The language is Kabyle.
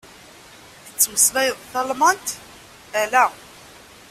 Tettmeslayeḍ talmant? Ala.